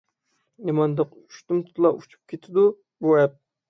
نېمانداق ئۇشتۇمتۇتلا ئۆچۈپ كېتىدۇ بۇ ئەپ؟